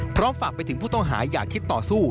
ฝากไปถึงผู้ต้องหาอย่าคิดต่อสู้